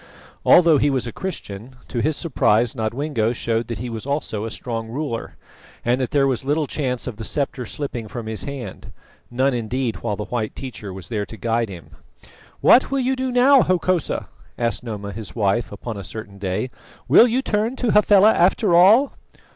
Although he was a Christian, to his surprise Nodwengo showed that he was also a strong ruler, and that there was little chance of the sceptre slipping from his hand none indeed while the white teacher was there to guide him. "What will you do now, Hokosa?" asked Noma his wife upon a certain day. "Will you turn to Hafela after all?"